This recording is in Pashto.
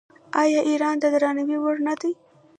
آیا ایران د درناوي وړ نه دی؟